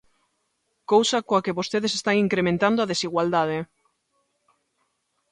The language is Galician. Cousa coa que vostedes están incrementando a desigualdade.